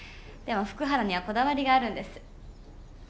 でも福原にはこだわりがあるんです。